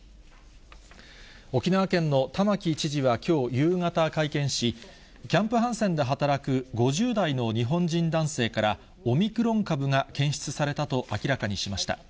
沖縄県の玉城知事はきょう夕方会見し、キャンプ・ハンセンで働く５０代の日本人男性から、オミクロン株が検出されたと明らかにしました。